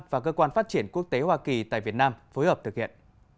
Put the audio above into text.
và cơ quan phát triển quốc tế hoa kỳ tại việt nam phối hợp thực hiện